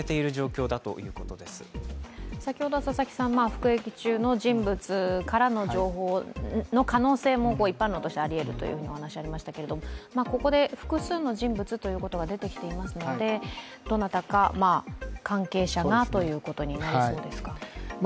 服役中の人物からの情報の可能性も一般論としてありえるとお話がありましたけれども、ここで複数の人物ということが出てきていますので、どなたか関係者がということになりそうですか？